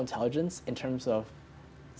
dalam hal hal sederhana